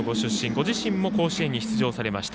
ご自身も甲子園に出場されました。